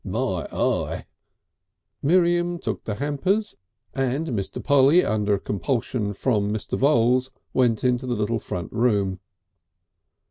My eye!" Miriam took the hampers, and Mr. Polly under compulsion from Mr. Voules went into the little front room.